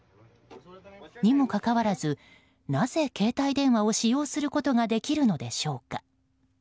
にもかかわらずなぜ携帯電話を使用することができるのでしょうか。